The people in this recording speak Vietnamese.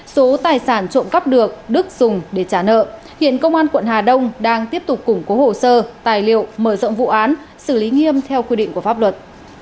số tài sản trộm cắp được đức dùng để trả nợ hiện công an quận hà đông đang tiếp tục củng cố hồ sơ tài liệu mở rộng vụ án xử lý nghiêm theo quy định của pháp luật